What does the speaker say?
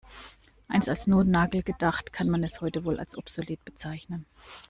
Einst als Notnagel gedacht, kann man es heute wohl als obsolet bezeichnen.